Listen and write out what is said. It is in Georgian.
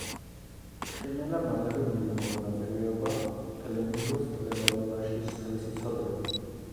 ხიმენა მალევე მიიღო მონაწილეობა ტელემუნდოს ტელენოველაში „სხვისი ცოდვები“.